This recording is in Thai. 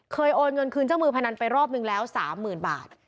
โอนเงินคืนเจ้ามือพนันไปรอบนึงแล้ว๓๐๐๐บาท